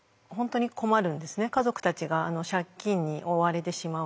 家族たちが借金に追われてしまうので。